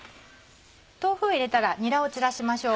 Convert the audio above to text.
豆腐を入れたらにらを散らしましょう。